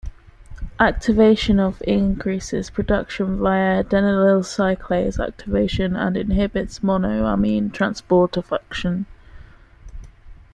Activation of increases production via adenylyl cyclase activation and inhibits monoamine transporter function.